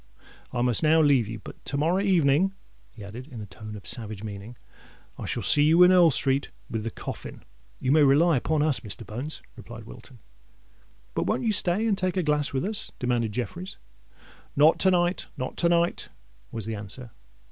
I must now leave you: but to morrow evening," he added, in a tone of savage meaning, "I shall see you in Earl Street with the coffin!" "You may rely upon us, Mr. Bones," replied Wilton. "But won't you stay and take a glass with us?" demanded Jeffreys. "Not to night—not to night," was the answer.